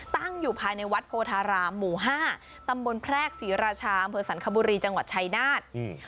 ตั้งอยู่ภายในวัดโพธารามหมู่ห้าตำบลแพรกศรีราชาอำเภอสันคบุรีจังหวัดชายนาฏ